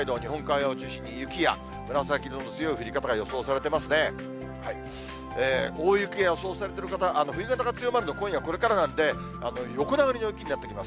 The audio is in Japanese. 大雪が予想されている方、冬型が強まるの、今夜これからなんで、横殴りの雪になってきます。